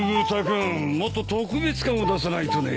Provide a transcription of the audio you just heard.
君もっと特別感を出さないとね。